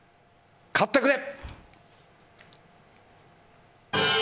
勝ってくれ！